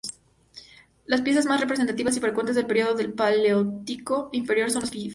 Las piezas más representativas y frecuentes del período del paleolítico inferior son los bifaces.